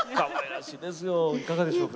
いかがでしょう？